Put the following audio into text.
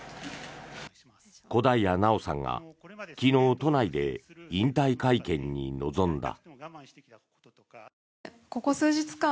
小平奈緒さんが昨日、都内で引退会見に臨んだ。